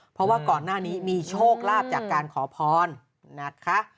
เพราะว่าก่อนหน้านี้มีโชคลาภจากการขอพรนะคะ